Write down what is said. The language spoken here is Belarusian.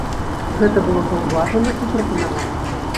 Гэта было заўважана і прапанавана.